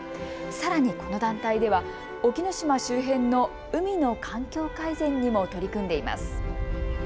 さらにこの団体では沖ノ島周辺の海の環境改善にも取り組んでいます。